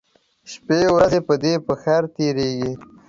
شپې ورځې به دې په خیر تیریږي